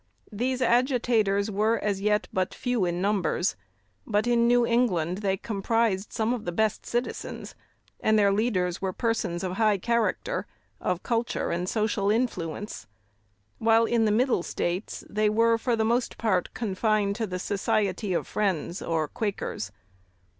These agitators were as yet but few in numbers: but in New England they comprised some of the best citizens, and the leaders were persons of high character, of culture and social influence; while, in the Middle States, they were, for the most part, confined to the Society of Friends, or Quakers.